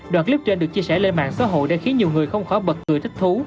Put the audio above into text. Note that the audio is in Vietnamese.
đoạn clip trên được chia sẻ lên mạng xã hội đã khiến nhiều người không khỏi bật cười thích thú